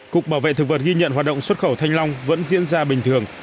cục bảo vệ thực vật ghi nhận hoạt động xuất khẩu thanh long vẫn diễn ra bình thường